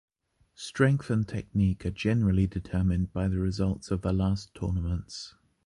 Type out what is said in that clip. Strength and technique are generally determined by the results of the last tournaments.